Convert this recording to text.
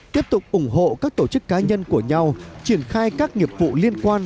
tiếp tục ủng hộ các tổ chức cá nhân của nhau triển khai các nghiệp vụ liên quan